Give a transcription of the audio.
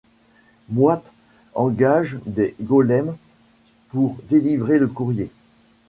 Moite engage des golems pour délivrer le courrier.